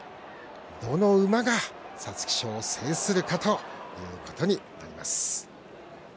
どの馬が皐月賞を制するかということになります。